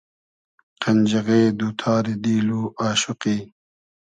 قئنجیغې دو تاری دیل و آشوقی